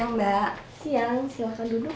kalau belangrijknya akan berubah lagi